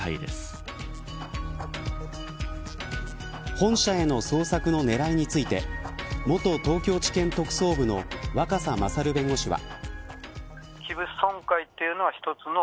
本社への捜索の狙いについて元東京地検特捜部の若狭勝弁護士は。